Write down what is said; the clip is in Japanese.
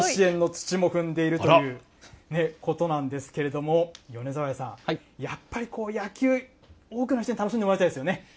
甲子園の土も踏んでいるということなんですけれども、米沢谷さん、やっぱり野球、多くの人に楽しんでもらいたいですよね。